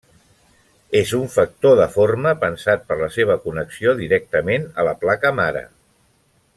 És un factor de forma pensat per la seva connexió directament a la placa mare.